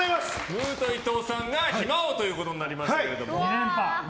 ムートン伊藤が暇王ということになりました。